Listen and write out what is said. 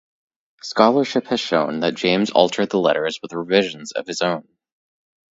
Scholarship has shown that James altered the letters with revisions of his own.